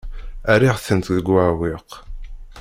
Rriɣ-tent deg uɛewwiq.